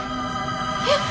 えっ！